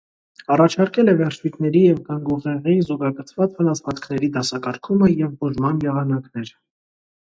Առաջարկել է վերջույթների և գանգուղեղի զուգակցված վնասվածքների դասակարգումը և բուժման եղանակներ։